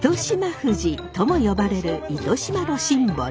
富士とも呼ばれる糸島のシンボル。